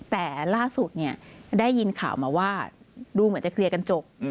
แต่ล่าสุดเนี่ยได้ยินข่าวมาว่าดูเหมือนจะเคลียร์กันจบ